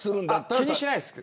気にしないです。